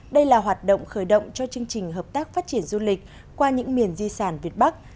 đây là hoạt động khởi động cho chương trình hợp tác phát triển du lịch qua những miền di sản việt bắc